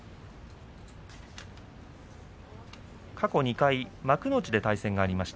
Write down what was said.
過去２回幕内での対戦がありました。